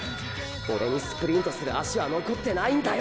オレにスプリントする脚は残ってないんだよ